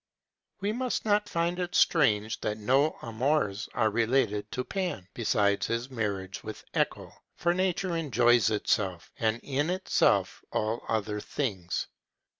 We must not find it strange if no amours are related of Pan besides his marriage with Echo; for nature enjoys itself, and in itself all other things.